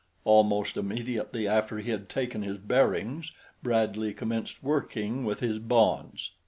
Almost immediately after he had taken his bearings Bradley commenced working with his bonds.